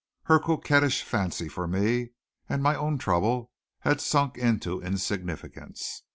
Her coquettish fancy for me and my own trouble had sunk into insignificance.